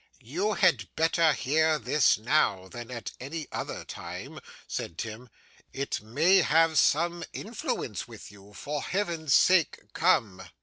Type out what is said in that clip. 'You had better hear this now, than at any other time,' said Tim; 'it may have some influence with you. For Heaven's sake come!